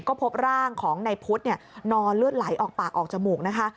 ก็พบร่างของนายพุทธนอนเลือดไหลออกปากออกจมูกนะคะ